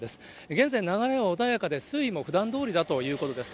現在、流れは穏やかで、水位もふだんどおりだということです。